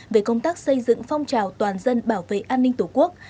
về công tác xây dựng phong trào toàn dân bảo vệ an ninh tổ quốc